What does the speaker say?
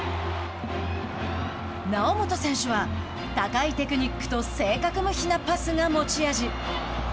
猶本選手は高いテクニックと正確無比なパスが持ち味。